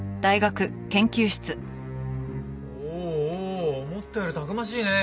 おおおお思ったよりたくましいねえ。